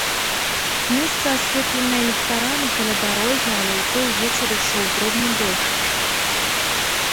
Месца асветленае ліхтарамі каля дарогі, але ў той вечар ішоў дробны дождж.